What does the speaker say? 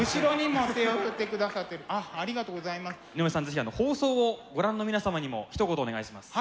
是非放送をご覧の皆様にもひと言お願いします。